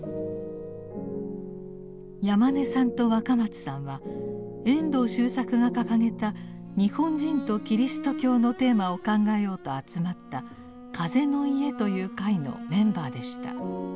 山根さんと若松さんは遠藤周作が掲げた日本人とキリスト教のテーマを考えようと集まった「風の家」という会のメンバーでした。